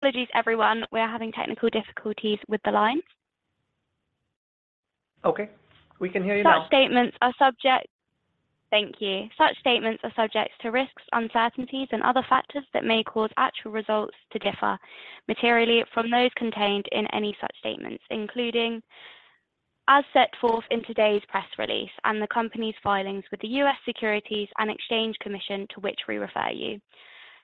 Apologies everyone, we are having technical difficulties with the line. Okay, we can hear you now. Thank you. Such statements are subject to risks, uncertainties, and other factors that may cause actual results to differ materially from those contained in any such statements, including as set forth in today's press release and the company's filings with the U.S. Securities and Exchange Commission, to which we refer you.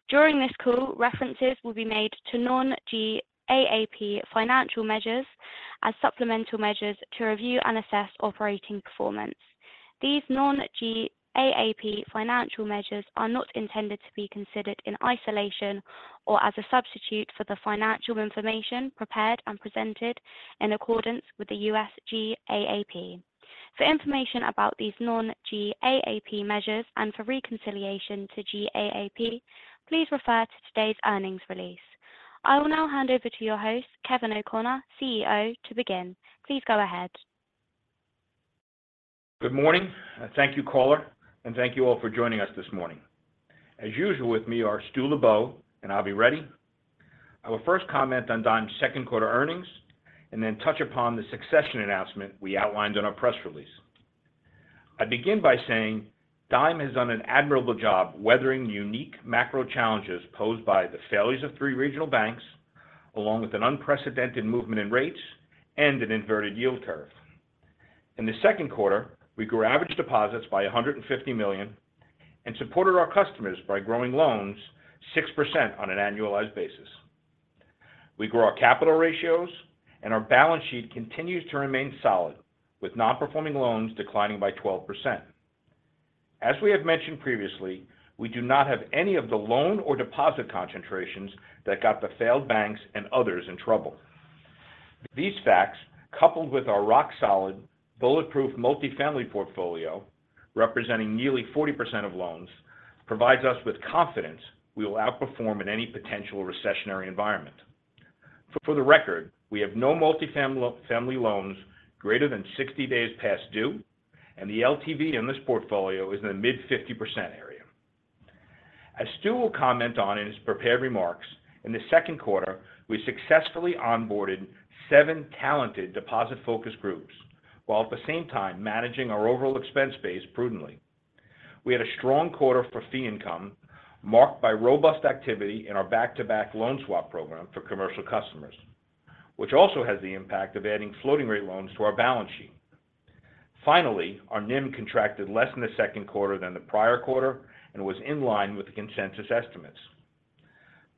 During this call, references will be made to non-GAAP financial measures as supplemental measures to review and assess operating performance. These non-GAAP financial measures are not intended to be considered in isolation or as a substitute for the financial information prepared and presented in accordance with the U.S. GAAP. For information about these non-GAAP measures and for reconciliation to GAAP, please refer to today's earnings release. I will now hand over to your host, Kevin O'Connor, CEO, to begin. Please go ahead. Good morning. Thank you, caller, and thank you all for joining us this morning. As usual, with me are Stu Lubow and Avi Reddy. I will first comment on Dime's second quarter earnings and then touch upon the succession announcement we outlined in our press release. I begin by saying Dime has done an admirable job weathering the unique macro challenges posed by the failures of three regional banks, along with an unprecedented movement in rates and an inverted yield curve. In the second quarter, we grew average deposits by $150 million and supported our customers by growing loans 6% on an annualized basis. We grew our capital ratios, and our balance sheet continues to remain solid, with non-performing loans declining by 12%. As we have mentioned previously, we do not have any of the loan or deposit concentrations that got the failed banks and others in trouble. These facts, coupled with our rock-solid, bulletproof multifamily portfolio, representing nearly 40% of loans, provides us with confidence we will outperform in any potential recessionary environment. For the record, we have no multifamily family loans greater than 60 days past due, and the LTV in this portfolio is in the mid 50% area. As Stu will comment on in his prepared remarks, in the second quarter, we successfully onboarded seven talented deposit-focused groups, while at the same time managing our overall expense base prudently. We had a strong quarter for fee income, marked by robust activity in our back-to-back loan swap program for commercial customers, which also has the impact of adding floating rate loans to our balance sheet. Finally, our NIM contracted less in the second quarter than the prior quarter and was in line with the consensus estimates.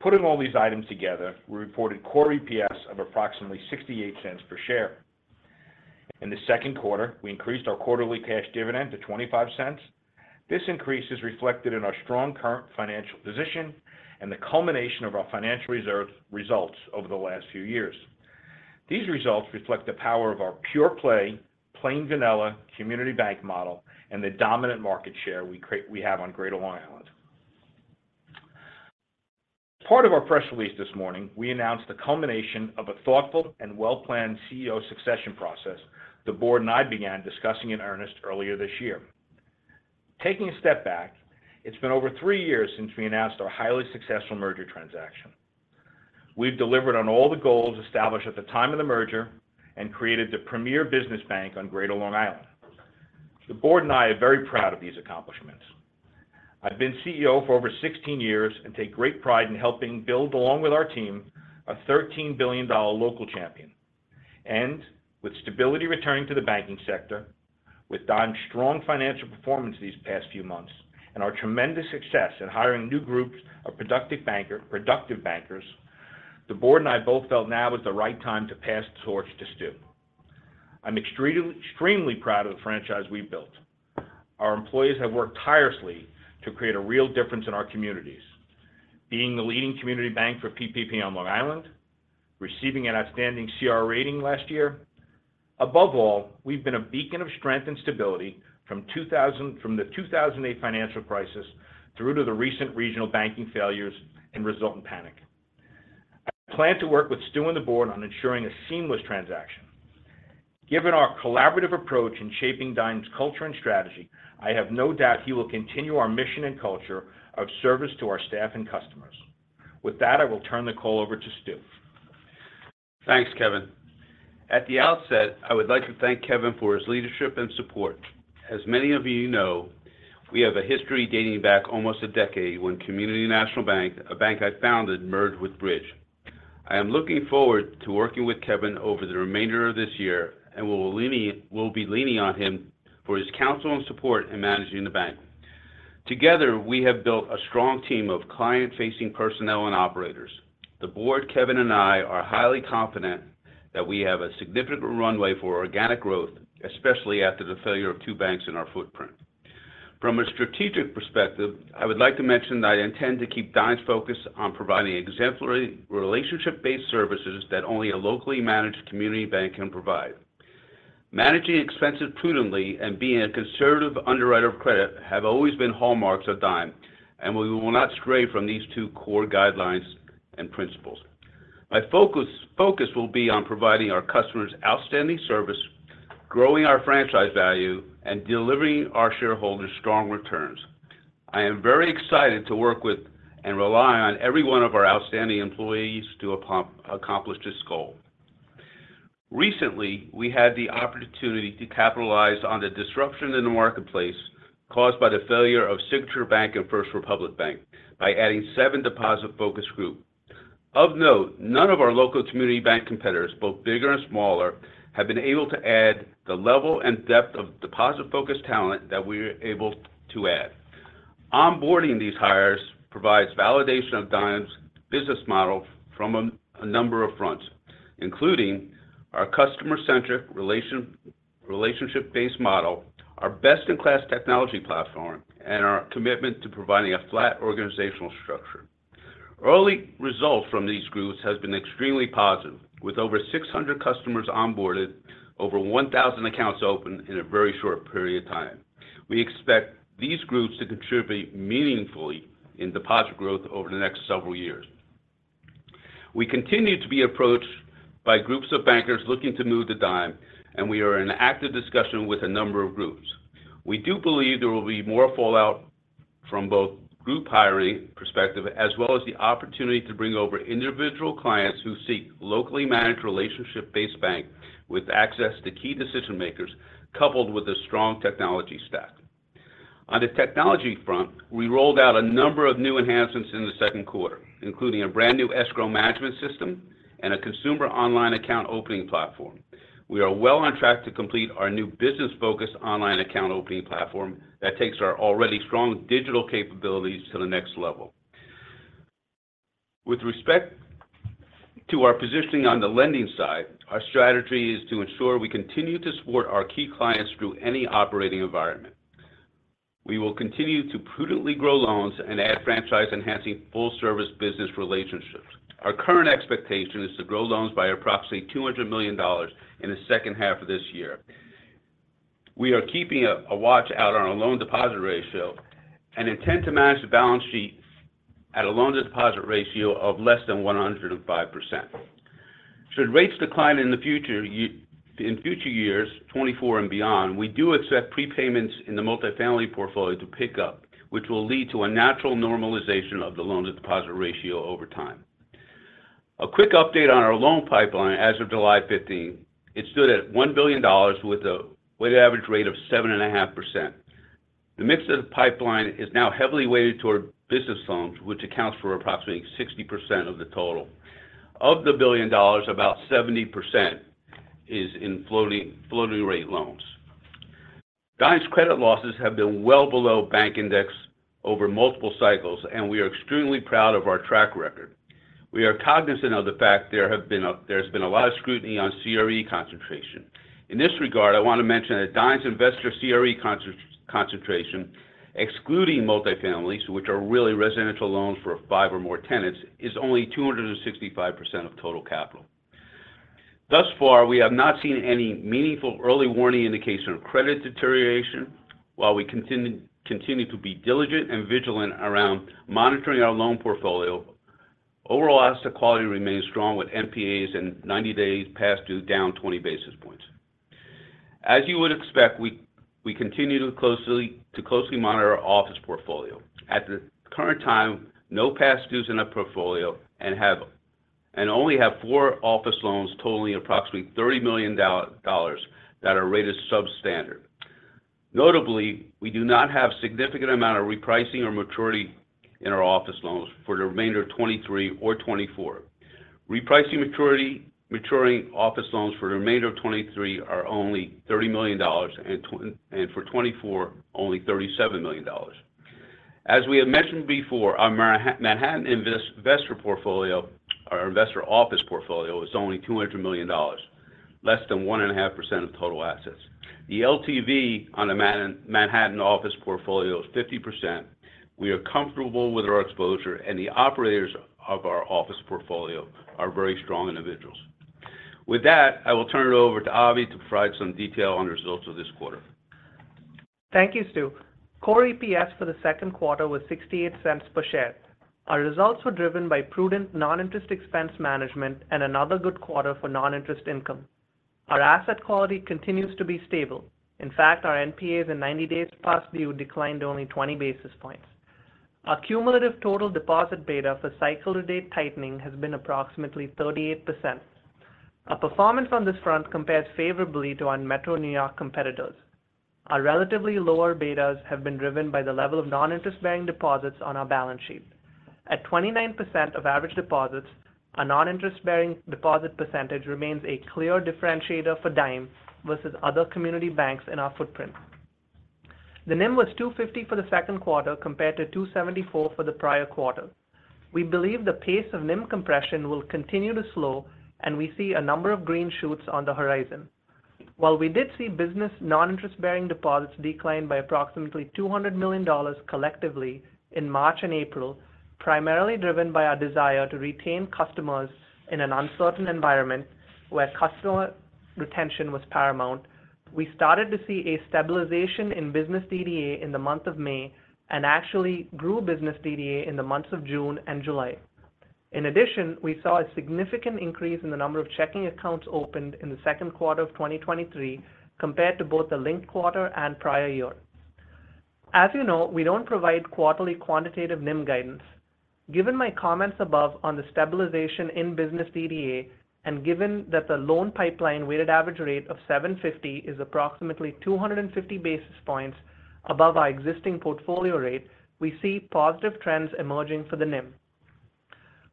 Putting all these items together, we reported core EPS of approximately $0.68 per share. In the second quarter, we increased our quarterly cash dividend to $0.25. This increase is reflected in our strong current financial position and the culmination of our financial reserve results over the last few years. These results reflect the power of our pure-play, plain vanilla community bank model and the dominant market share we have on Greater Long Island. As part of our press release this morning, we announced the culmination of a thoughtful and well-planned CEO succession process the board and I began discussing in earnest earlier this year. Taking a step back, it's been over 3 years since we announced our highly successful merger transaction. We've delivered on all the goals established at the time of the merger and created the premier business bank on Greater Long Island. The board and I are very proud of these accomplishments. I've been CEO for over 16 years and take great pride in helping build, along with our team, a $13 billion local champion. With stability returning to the banking sector, with Dime's strong financial performance these past few months, and our tremendous success in hiring new groups of productive bankers, the board and I both felt now was the right time to pass the torch to Stu. I'm extremely, extremely proud of the franchise we've built. Our employees have worked tirelessly to create a real difference in our communities. Being the leading community bank for PPP on Long Island, receiving an outstanding CRA rating last year. Above all, we've been a beacon of strength and stability from the 2008 financial crisis through to the recent regional banking failures and resultant panic. I plan to work with Stu and the board on ensuring a seamless transaction. Given our collaborative approach in shaping Dime's culture and strategy, I have no doubt he will continue our mission and culture of service to our staff and customers. With that, I will turn the call over to Stu. Thanks, Kevin. At the outset, I would like to thank Kevin for his leadership and support. As many of you know, we have a history dating back almost a decade when Community National Bank, a bank I founded, merged with Bridge. I am looking forward to working with Kevin over the remainder of this year and will be leaning on him for his counsel and support in managing the bank. Together, we have built a strong team of client-facing personnel and operators. The board, Kevin and I are highly confident that we have a significant runway for organic growth, especially after the failure of two banks in our footprint. From a strategic perspective, I would like to mention that I intend to keep Dime's focus on providing exemplary relationship-based services that only a locally managed community bank can provide. Managing expenses prudently and being a conservative underwriter of credit have always been hallmarks of Dime, we will not stray from these two core guidelines and principles. My focus will be on providing our customers outstanding service, growing our franchise value, and delivering our shareholders strong returns. I am very excited to work with and rely on every one of our outstanding employees to accomplish this goal. Recently, we had the opportunity to capitalize on the disruption in the marketplace caused by the failure of Signature Bank and First Republic Bank by adding seven deposit-focused group. Of note, none of our local community bank competitors, both bigger and smaller, have been able to add the level and depth of deposit-focused talent that we were able to add. Onboarding these hires provides validation of Dime's business model from a number of fronts, including our customer-centric relationship-based model, our best-in-class technology platform, and our commitment to providing a flat organizational structure. Early results from these groups has been extremely positive, with over 600 customers onboarded, over 1,000 accounts opened in a very short period of time. We expect these groups to contribute meaningfully in deposit growth over the next several years. We continue to be approached by groups of bankers looking to move to Dime, and we are in active discussion with a number of groups. We do believe there will be more fallout from both group hiring perspective, as well as the opportunity to bring over individual clients who seek locally managed, relationship-based bank with access to key decision-makers, coupled with a strong technology stack. On the technology front, we rolled out a number of new enhancements in the second quarter, including a brand new escrow management system and a consumer online account opening platform. We are well on track to complete our new business-focused online account opening platform that takes our already strong digital capabilities to the next level. With respect to our positioning on the lending side, our strategy is to ensure we continue to support our key clients through any operating environment. We will continue to prudently grow loans and add franchise-enhancing full-service business relationships. Our current expectation is to grow loans by approximately $200 million in the second half of this year. We are keeping a watch out on our loan deposit ratio and intend to manage the balance sheet at a loan deposit ratio of less than 105%. Should rates decline in future years, 2024 and beyond, we do expect prepayments in the multifamily portfolio to pick up, which will lead to a natural normalization of the loan-to-deposit ratio over time. A quick update on our loan pipeline as of July 15th, it stood at $1 billion with a weighted average rate of 7.5%. The mix of the pipeline is now heavily weighted toward business loans, which accounts for approximately 60% of the total. Of the $1 billion, about 70% is in floating, floating rate loans. Dime's credit losses have been well below bank index over multiple cycles, and we are extremely proud of our track record. We are cognizant of the fact there's been a lot of scrutiny on CRE concentration. In this regard, I want to mention that Dime's investor CRE concentration, excluding multifamily, so which are really residential loans for five or more tenants, is only 265% of total capital. Thus far, we have not seen any meaningful early warning indication of credit deterioration. While we continue to be diligent and vigilant around monitoring our loan portfolio, overall asset quality remains strong, with NPAs and 90 days past due down 20 basis points. As you would expect, we continue to closely monitor our office portfolio. At the current time, no past dues in our portfolio and only have four office loans totaling approximately $30 million that are rated substandard. Notably, we do not have significant amount of repricing or maturity in our office loans for the remainder of 2023 or 2024. Repricing maturing office loans for the remainder of 2023 are only $30 million, and for 2024, only $37 million. As we have mentioned before, our Manhattan investor office portfolio is only $200 million, less than 1.5% of total assets. The LTV on the Manhattan office portfolio is 50%. We are comfortable with our exposure, and the operators of our office portfolio are very strong individuals. With that, I will turn it over to Avi to provide some detail on the results of this quarter. Thank you, Stu. Core EPS for the second quarter was $0.68 per share. Our results were driven by prudent non-interest expense management and another good quarter for non-interest income. Our asset quality continues to be stable. In fact, our NPAs in 90 days past due declined to only 20 basis points. Our cumulative total deposit beta for cycle-to-date tightening has been approximately 38%. Our performance on this front compares favorably to our Metro New York competitors. Our relatively lower betas have been driven by the level of non-interest bearing deposits on our balance sheet. At 29% of average deposits, our non-interest bearing deposit percentage remains a clear differentiator for Dime versus other community banks in our footprint. The NIM was 2.50 for the second quarter, compared to 2.74 for the prior quarter. We believe the pace of NIM compression will continue to slow, and we see a number of green shoots on the horizon. While we did see business non-interest-bearing deposits decline by approximately $200 million collectively in March and April, primarily driven by our desire to retain customers in an uncertain environment where customer retention was paramount, we started to see a stabilization in business DDA in the month of May and actually grew business DDA in the months of June and July. In addition, we saw a significant increase in the number of checking accounts opened in the second quarter of 2023 compared to both the linked quarter and prior years. As you know, we don't provide quarterly quantitative NIM guidance. Given my comments above on the stabilization in business DDA, and given that the loan pipeline weighted average rate of 750 is approximately 250 basis points above our existing portfolio rate, we see positive trends emerging for the NIM.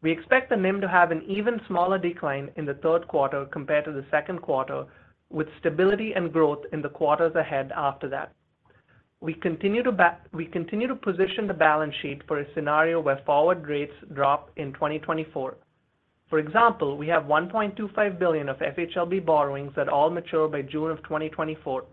We expect the NIM to have an even smaller decline in the third quarter compared to the second quarter, with stability and growth in the quarters ahead after that. We continue to position the balance sheet for a scenario where forward rates drop in 2024. For example, we have $1.25 billion of FHLB borrowings that all mature by June of 2024.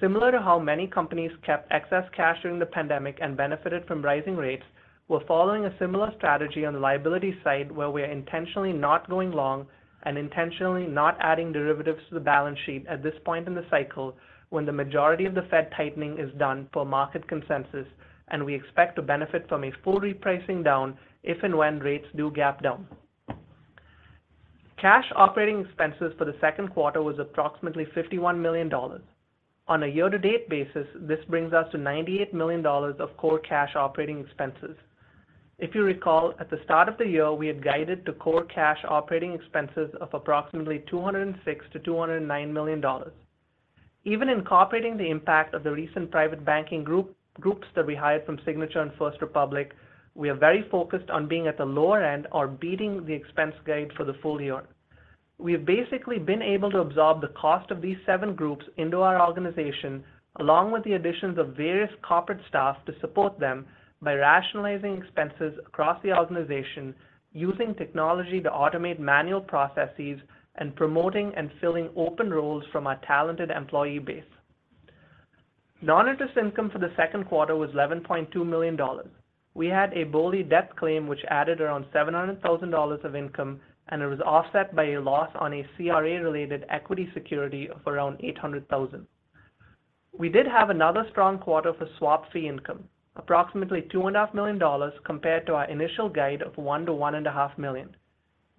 Similar to how many companies kept excess cash during the pandemic and benefited from rising rates, we're following a similar strategy on the liability side, where we are intentionally not going long and intentionally not adding derivatives to the balance sheet at this point in the cycle, when the majority of the Fed tightening is done for market consensus, and we expect to benefit from a full repricing down if and when rates do gap down. Cash operating expenses for the second quarter was approximately $51 million. On a year-to-date basis, this brings us to $98 million of core cash operating expenses. If you recall, at the start of the year, we had guided to core cash operating expenses of approximately $206 million-$209 million. Even incorporating the impact of the recent private banking groups that we hired from Signature and First Republic, we are very focused on being at the lower end or beating the expense guide for the full year. We have basically been able to absorb the cost of these seven groups into our organization, along with the additions of various corporate staff to support them by rationalizing expenses across the organization, using technology to automate manual processes, and promoting and filling open roles from our talented employee base. Non-interest income for the second quarter was $11.2 million. We had a BOLI death claim, which added around $700,000 of income. It was offset by a loss on a CRA-related equity security of around $800,000. We did have another strong quarter for swap fee income, approximately $2.5 million compared to our initial guide of $1 million-$1.5 million.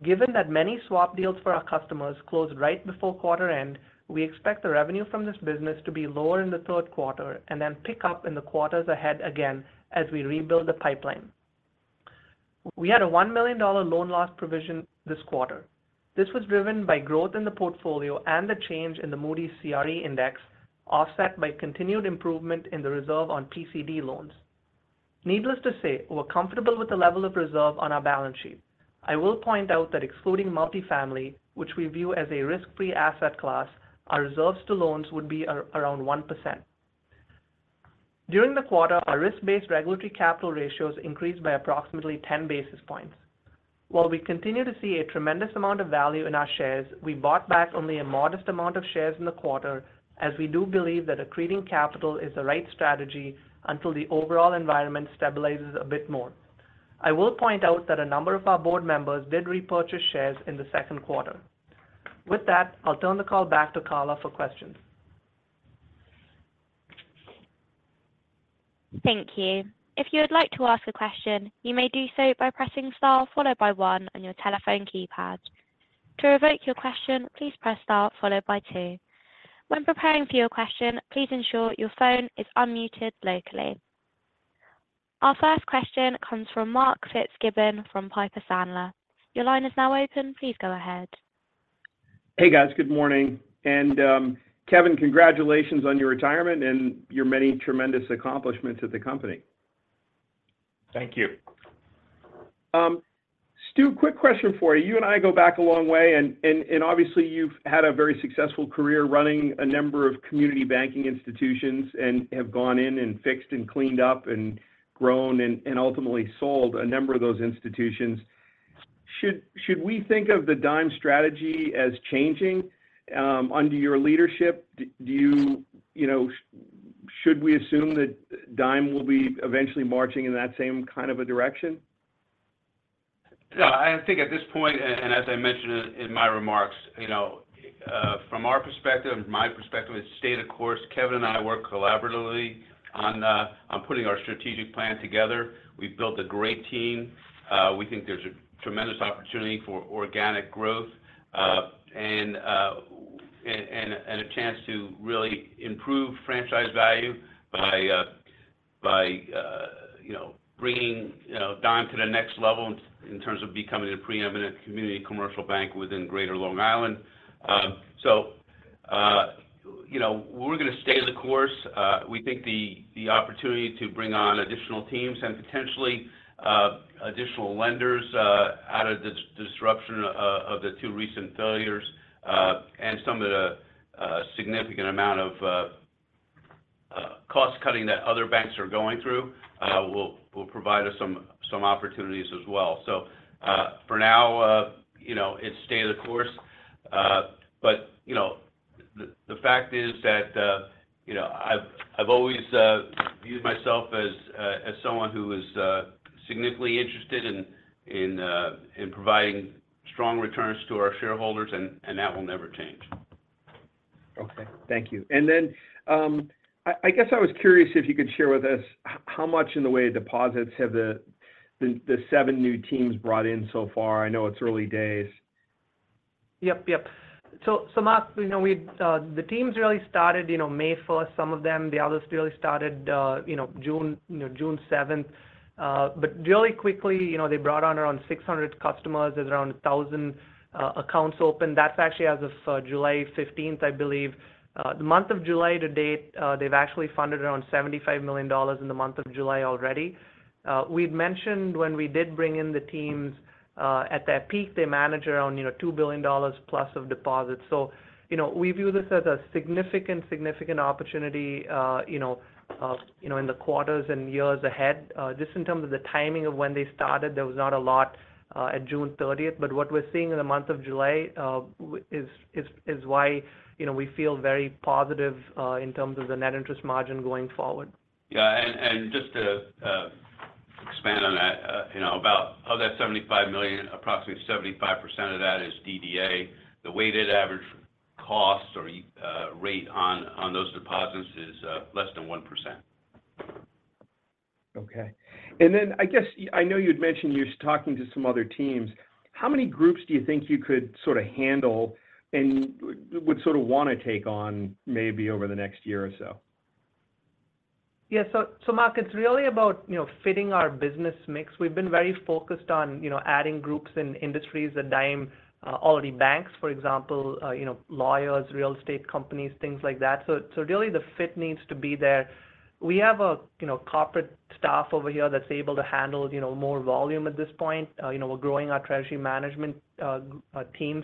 Given that many swap deals for our customers closed right before quarter-end, we expect the revenue from this business to be lower in the third quarter and then pick up in the quarters ahead again as we rebuild the pipeline. We had a $1 million loan loss provision this quarter. This was driven by growth in the portfolio and the change in the Moody's CRE index, offset by continued improvement in the reserve on PCD loans. Needless to say, we're comfortable with the level of reserve on our balance sheet. I will point out that excluding multifamily, which we view as a risk-free asset class, our reserves to loans would be around 1%. During the quarter, our risk-based regulatory capital ratios increased by approximately 10 basis points. While we continue to see a tremendous amount of value in our shares, we bought back only a modest amount of shares in the quarter, as we do believe that accreting capital is the right strategy until the overall environment stabilizes a bit more. I will point out that a number of our board members did repurchase shares in the second quarter. With that, I'll turn the call back to caller for questions. Thank you. If you would like to ask a question, you may do so by pressing Star followed by one on your telephone keypad. To revoke your question, please press Star followed by two. When preparing for your question, please ensure your phone is unmuted locally. Our first question comes from Mark Fitzgibbon, from Piper Sandler. Your line is now open. Please go ahead. Hey, guys. Good morning. Kevin, congratulations on your retirement and your many tremendous accomplishments at the company. Thank you. Stu, quick question for you. You and I go back a long way, and, and, and obviously you've had a very successful career running a number of community banking institutions and have gone in and fixed and cleaned up and grown and, and ultimately sold a number of those institutions. Should, should we think of the Dime strategy as changing under your leadership? Do you know, should we assume that Dime will be eventually marching in that same kind of a direction? No, I think at this point, and, and as I mentioned in, in my remarks, you know, from our perspective, my perspective, it's stay the course. Kevin and I work collaboratively on, on putting our strategic plan together. We've built a great team. We think there's a tremendous opportunity for organic growth, and, and, and a chance to really improve franchise value by, by, you know, bringing, you know, Dime to the next level in terms of becoming a preeminent community commercial bank within Greater Long Island. You know, we're gonna stay the course. We think the, the opportunity to bring on additional teams and potentially, additional lenders, out of the disruption, of the two recent failures, and some of the significant amount of cost-cutting that other banks are going through, will, will provide us some, some opportunities as well. For now, you know, it's stay the course. You know, the, the fact is that, you know, I've, I've always, viewed myself as, as someone who is, significantly interested in, in, in providing strong returns to our shareholders, and, and that will never change. Okay, thank you. Then, I guess I was curious if you could share with us how much in the way of deposits have the seven new teams brought in so far? I know it's early days. Yep, yep. Mark, you know, the teams really started, you know, May first, some of them. The others really started, you know, June, you know, June seventh. Really quickly, you know, they brought on around 600 customers. There's around 1,000 accounts open. That's actually as of July fifteenth, I believe. The month of July to date, they've actually funded around $75 million in the month of July already. We've mentioned when we did bring in the teams, at their peak, they managed around, you know, $2 billion plus of deposits. You know, we view this as a significant, significant opportunity in the quarters and years ahead. Just in terms of the timing of when they started, there was not a lot at June 30th. What we're seeing in the month of July, is why, you know, we feel very positive, in terms of the net interest margin going forward. Yeah, just to expand on that, you know, about of that $75 million, approximately 75% of that is DDA. The weighted average cost or rate on, on those deposits is less than 1%. Okay. Then, I guess, I know you'd mentioned you're talking to some other teams. How many groups do you think you could sort of handle and would sort of want to take on maybe over the next year or so? Yeah. Mark, it's really about, you know, fitting our business mix. We've been very focused on, you know, adding groups and industries that Dime already banks, for example, you know, lawyers, real estate companies, things like that. Really the fit needs to be there. We have a, you know, corporate staff over here that's able to handle, you know, more volume at this point. You know, we're growing our treasury management team.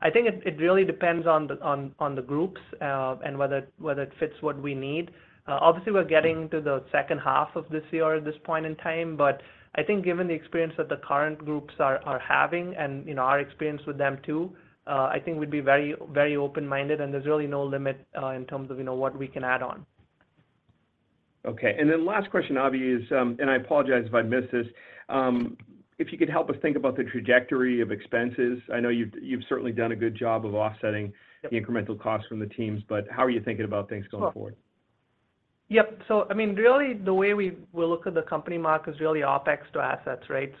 I think it, it really depends on the, on, on the groups and whether, whether it fits what we need. Obviously, we're getting to the second half of this year at this point in time, but I think given the experience that the current groups are, are having and, you know, our experience with them too, I think we'd be very, very open-minded, and there's really no limit, in terms of, you know, what we can add on. Okay. Then last question, Avi, is, and I apologize if I missed this. If you could help us think about the trajectory of expenses. I know you've, you've certainly done a good job of offsetting Yep the incremental costs from the teams, but how are you thinking about things going forward? Sure. Yep. I mean, really, the way we will look at the company, Mark Fitzgibbon, is really OpEx to assets, right?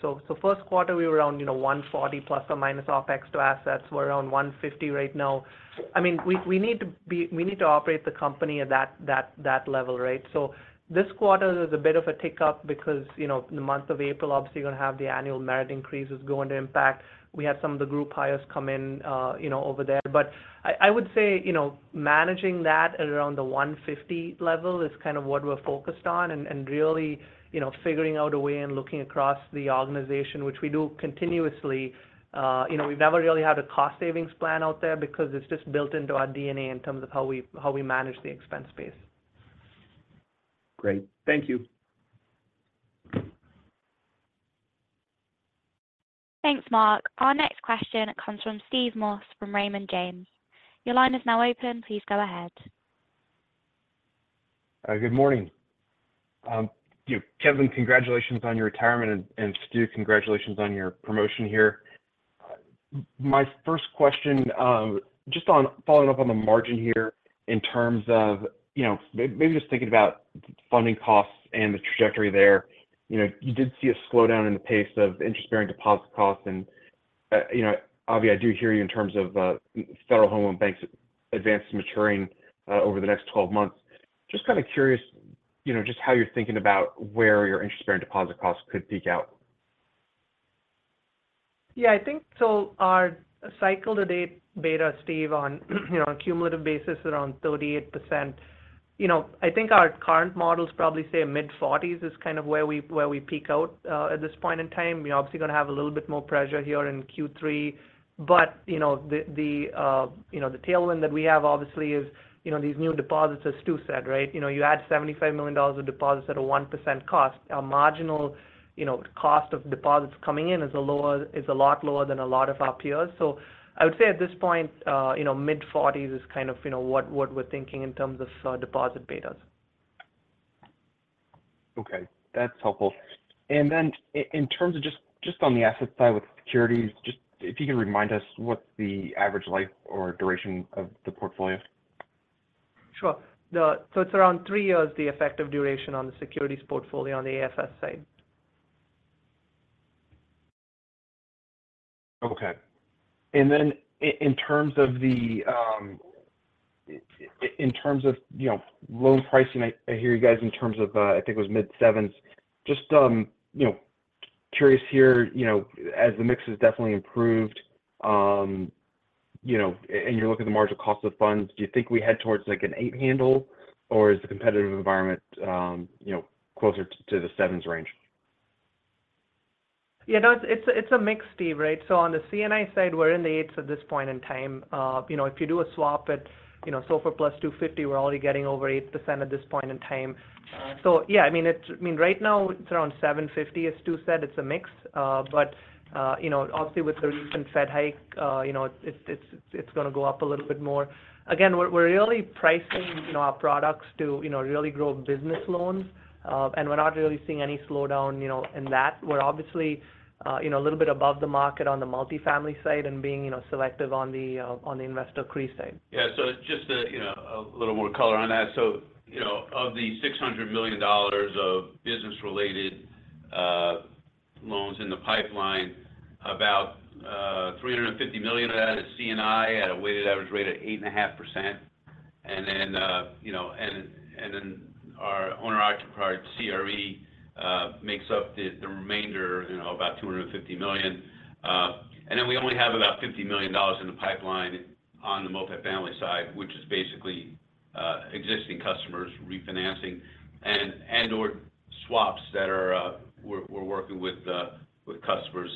First quarter, we were around, you know, 140 ± OpEx to assets. We're around 150 right now. I mean, we need to operate the company at that, that, that level, right? This quarter is a bit of a tick up because, you know, the month of April, obviously, you're going to have the annual merit increases going to impact. We had some of the group hires come in, you know, over there. I, I would say, you know, managing that at around the 150 level is kind of what we're focused on and, and really, you know, figuring a way and looking across the organization, which we do continuously. You know, we've never really had a cost savings plan out there because it's just built into our DNA in terms of how we, how we manage the expense base. Great. Thank you. Thanks, Mark. Our next question comes from Steve Moss from Raymond James. Your line is now open. Please go ahead. Good morning. You, Kevin, congratulations on your retirement, and Stu, congratulations on your promotion here. My first question, just on following up on the margin here in terms of, you know, maybe just thinking about funding costs and the trajectory there. You know, you did see a slowdown in the pace of interest-bearing deposit costs and, you know, Avi, I do hear you in terms of, Federal Home Loan Banks advances maturing, over the next 12 months. Just kind of curious, you know, just how you're thinking about where your interest-bearing deposit costs could peak out. Yeah, I think so our cycle to date beta, Steve, on, you know, on a cumulative basis, around 38%. You know, I think our current models probably say mid-40s is kind of where we, where we peak out at this point in time. We're obviously gonna have a little bit more pressure here in Q3, but, you know, the, the, you know, the tailwind that we have obviously is, you know, these new deposits, as Stu said, right? You know, you add $75 million of deposits at a 1% cost. Our marginal, you know, cost of deposits coming in is a lower, is a lot lower than a lot of our peers. I would say at this point, you know, mid-40s is kind of, you know, what, what we're thinking in terms of deposit betas. Okay, that's helpful. In terms of just on the asset side with securities, just if you could remind us what the average life or duration of the portfolio? Sure. It's around 3 years, the effective duration on the securities portfolio on the AFS side. Okay. Then in terms of the, in terms of, you know, loan pricing, I, I hear you guys in terms of, I think it was mid-7s. Just, you know, curious here, you know, as the mix has definitely improved, you know, and you look at the marginal cost of funds, do you think we head towards, like, an eight handle, or is the competitive environment, you know, closer to the 7s range? Yeah, no, it's a, it's a mix, Steve, right? On the C&I side, we're in the 8s at this point in time. You know, if you do a swap at, you know, SOFR+ 250, we're already getting over 8% at this point in time. Got it. Yeah, I mean, right now, it's around 750. As Stu said, it's a mix. You know, obviously, with the recent Fed hike, you know, it's, it's, it's gonna go up a little bit more. Again, we're, we're really pricing, you know, our products to, you know, really grow business loans. We're not really seeing any slowdown, you know, in that. We're obviously, you know, a little bit above the market on the multifamily side and being, you know, selective on the, on the investor CRE side. Yeah. Just a, you know, a little more color on that. You know, of the $600 million of business-related loans in the pipeline, about $50 million of that is C&I at a weighted average rate of 8.5%. You know, and then our owner entrepreneur, CRE, makes up the remainder, you know, about $250 million. We only have about $50 million in the pipeline on the multifamily side, which is basically existing customers refinancing and, or swaps that are we're working with customers.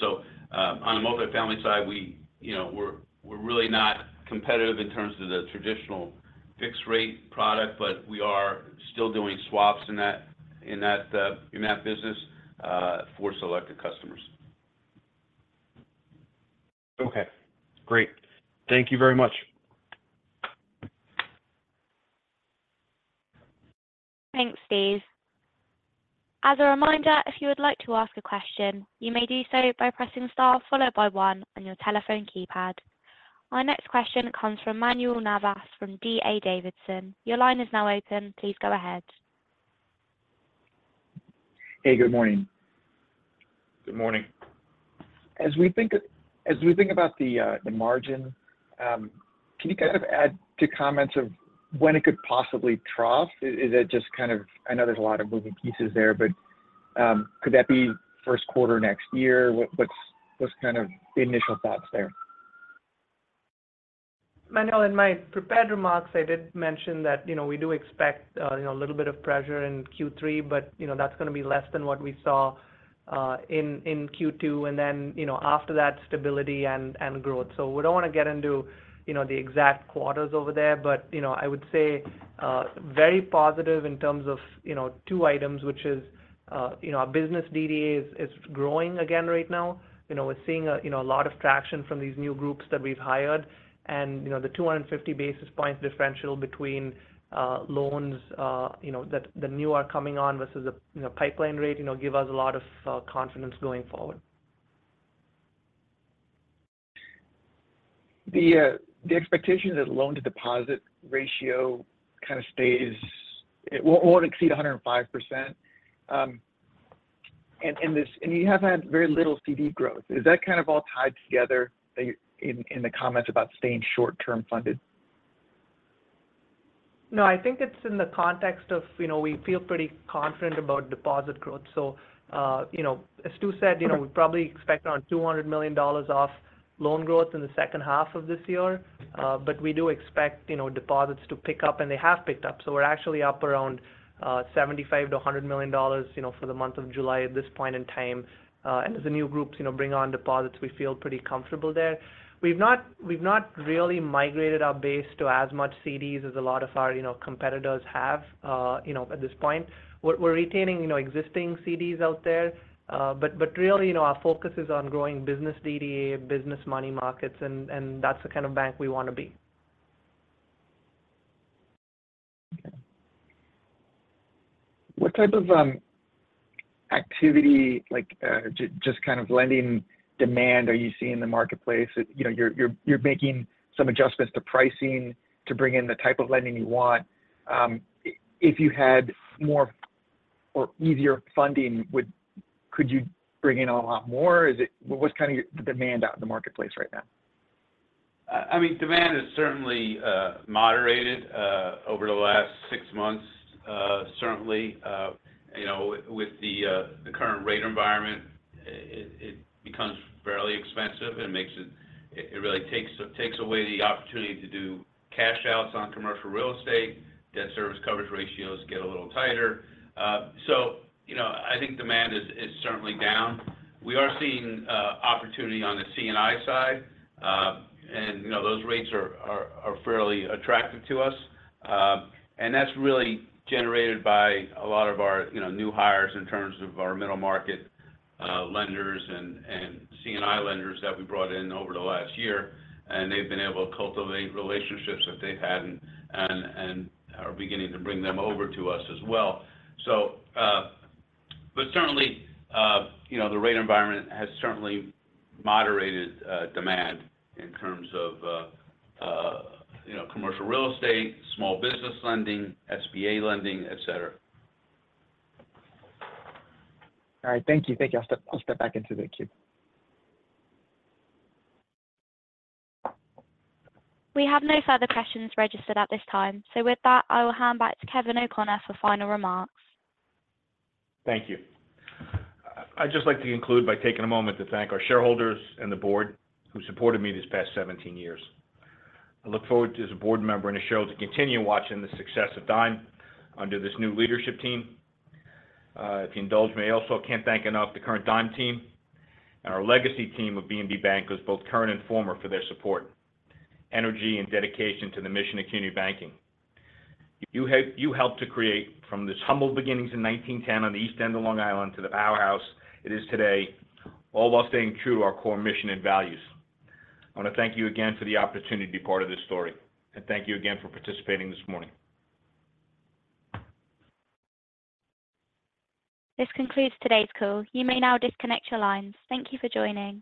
On the multifamily side, we, you know, we're really not competitive in terms of the traditional fixed rate product, but we are still doing swaps in that, in that business, for selected customers. Okay, great. Thank you very much. Thanks, Steve. As a reminder, if you would like to ask a question, you may do so by pressing Star followed by 1 on your telephone keypad. Our next question comes from Manuel Navas from D.A. Davidson. Your line is now open. Please go ahead. Hey, good morning. Good morning. As we think about the margin, can you kind of add to comments of when it could possibly trough? Is it just kind of, I know there's a lot of moving pieces there, but, could that be first quarter next year? What's kind of the initial thoughts there? Manuel, in my prepared remarks, I did mention that, you know, we do expect, you know, a little bit of pressure in Q3, but, you know, that's going to be less than what we saw, in, in Q2, and then, you know, after that, stability and, and growth. We don't want to get into, you know, the exact quarters over there. You know, I would say, very positive in terms of, you know, two items, which is, you know, our business DDA is, is growing again right now. You know, we're seeing a, you know, a lot of traction from these new groups that we've hired. You know, the 250 basis points differential between loans, you know, that the new are coming on versus the, you know, pipeline rate, you know, give us a lot of confidence going forward. The, the expectation that loan-to-deposit ratio kind of stays, it won't, won't exceed 105%. You have had very little CD growth. Is that kind of all tied together in, in the comments about staying short-term funded? I think it's in the context of, you know, we feel pretty confident about deposit growth. As Stu said, you know, we probably expect around $200 million of loan growth in the second half of this year. We do expect, you know, deposits to pick up, and they have picked up. We're actually up around $75 million-$100 million, you know, for the month of July at this point in time. As the new groups, you know, bring on deposits, we feel pretty comfortable there. We've not, we've not really migrated our base to as much CDs as a lot of our, you know, competitors have, you know, at this point. We're, we're retaining, you know, existing CDs out there. Really, you know, our focus is on growing business DDA and business money markets, and, and that's the kind of bank we want to be. Okay. What type of activity, like, just kind of lending demand are you seeing in the marketplace? You know, you're, you're, you're making some adjustments to pricing to bring in the type of lending you want. If you had more or easier funding, would could you bring in a lot more? What's kind of your, the demand out in the marketplace right now? I mean, demand has certainly moderated over the last six months. Certainly, you know, with the current rate environment, it becomes fairly expensive and really takes, takes away the opportunity to do cash outs on commercial real estate. Debt service coverage ratios get a little tighter. You know, I think demand is certainly down. We are seeing opportunity on the C&I side. You know, those rates are fairly attractive to us. That's really generated by a lot of our, you know, new hires in terms of our middle market lenders and C&I lenders that we brought in over the last year. They've been able to cultivate relationships that they've had and are beginning to bring them over to us as well. Certainly, you know, the rate environment has certainly moderated, demand in terms of, you know, commercial real estate, small business lending, SBA lending, et cetera. All right. Thank you. Thank you. I'll step back into the queue. We have no further questions registered at this time. With that, I will hand back to Kevin O'Connor for final remarks. Thank you. I'd just like to conclude by taking a moment to thank our shareholders and the board, who supported me these past 17 years. I look forward to, as a board member and a shareholder, to continue watching the success of Dime under this new leadership team. If you indulge me, I also can't thank enough the current Dime team and our legacy team of BNB Bankers, both current and former, for their support, energy, and dedication to the mission of community banking. You helped to create from this humble beginnings in 1910 on the East End of Long Island, to the powerhouse it is today, all while staying true to our core mission and values. I want to thank you again for the opportunity to be part of this story. Thank you again for participating this morning. This concludes today's call. You may now disconnect your lines. Thank you for joining.